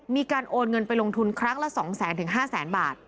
มีการโอนเงินไปลงทุนครั้งละ๒๐๐๐๕๐๐๐บาท